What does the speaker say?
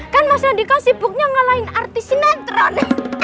kan mas radika sibuknya ngalahin artis sinetron